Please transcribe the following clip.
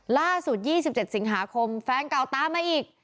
ล่าสุด๒๗สิงหาคมแฟนเก่าตามมาอีก